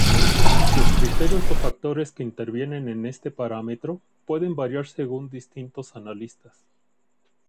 Los criterios o factores que intervienen en este parámetro pueden variar según distintos analistas.